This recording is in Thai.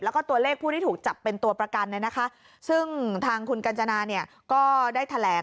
แล้วก็ตัวเลขผู้ที่ถูกจับเป็นตัวประกันซึ่งทางคุณกัญจนาเนี่ยก็ได้แถลง